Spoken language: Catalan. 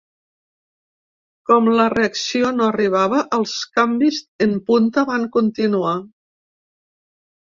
Com la reacció no arribava, els canvis en punta van continuar.